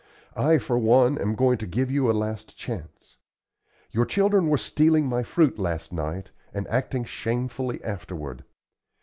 I, for one, am going to give you a last chance. Your children were stealing my fruit last night, and acting shamefully afterward.